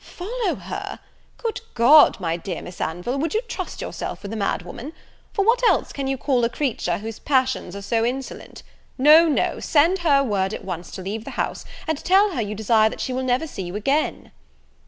"Follow her! Good God, my dear Miss Anville, would you trust yourself with a mad woman? for what else can you call a creature whose passions are so insolent? No, no; send her word at once to leave the house, and tell her you desire that she will never see you again."